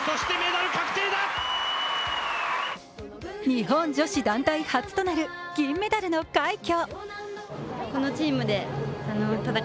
日本女子団体初となる銀メダルの快挙。